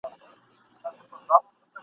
خو په هیڅ درمل یې سوده نه کېدله ..